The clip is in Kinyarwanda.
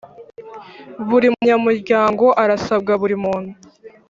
buri munyamuryango arasabwa buri muntu